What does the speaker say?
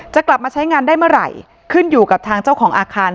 กลับมาใช้งานได้เมื่อไหร่ขึ้นอยู่กับทางเจ้าของอาคาร